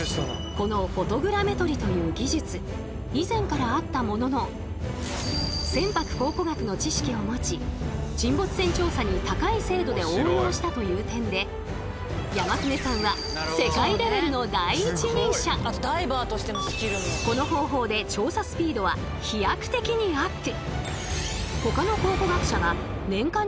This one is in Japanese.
このフォトグラメトリという技術以前からあったものの船舶考古学の知識を持ち沈没船調査に高い精度で応用したという点で山舩さんはこの方法で調査スピードは飛躍的にアップ！